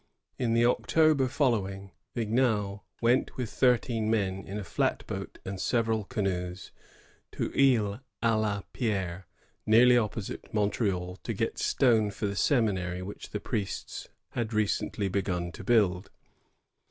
In the October following, Vignal went with thirteen men, in a flat boat and several canoes, to Isle k la Pierre, nearly opposite Montreal, to get stone for the semi nary which the priests had recently begun to build.